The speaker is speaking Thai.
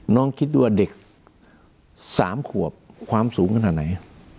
น้องคิดดูว่าเด็ก๓ขวบความสูงขนาดไหน